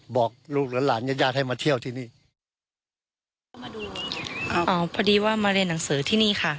บอกลูกหลานหลานญาติญาติให้มาเที่ยวที่นี่มาดูอ่าอ๋อพอดีว่ามาเรียนหนังสือที่นี่ค่ะ